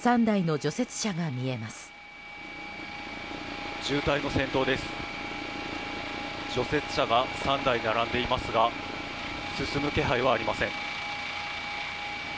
除雪車が３台、並んでいますが進む気配はありません。